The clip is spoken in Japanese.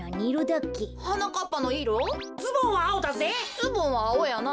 ズボンはあおだぜ。